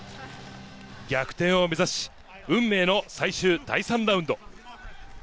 逆転を目指し、運命の最終第３ラウンド。